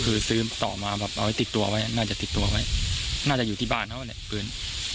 คือซื้อต่อมาแบบเอาไว้ติดตัวไว้น่าจะติดตัวไว้น่าจะอยู่ที่บ้านเขาเนี่ยปืน